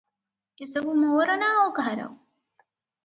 ଏସବୁ ମୋର ନା ଆଉ କାହାର?